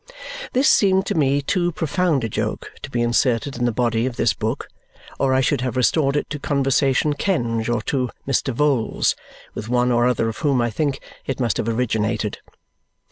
This seemed to me too profound a joke to be inserted in the body of this book or I should have restored it to Conversation Kenge or to Mr. Vholes, with one or other of whom I think it must have originated.